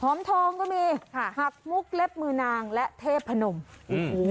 ทองก็มีค่ะหักมุกเล็บมือนางและเทพนมโอ้โห